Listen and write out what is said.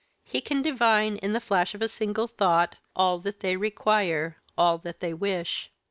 He can divine, in the flash of a single thought, all that they require, all that they wish.